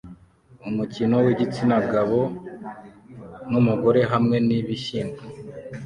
Umukino wigitsina gabo numugore hamwe nibishyimbo